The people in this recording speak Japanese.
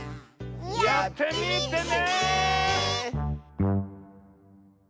やってみてね！